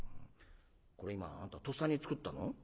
これ今あんたとっさに作ったの？